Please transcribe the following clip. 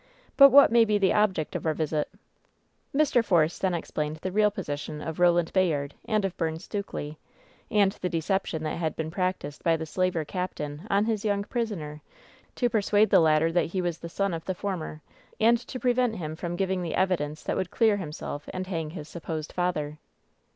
"But what may be the object of our visit ?" Mr. Force then explained the real position of Eo land Bayard and of Byrne Stukely, and the deception that had been practiced by the slaver captain on his young prisoner to persuade the latter that he was the son of the former, and to prevent him from giving the evidence that would clear himself and hang his sup posed father.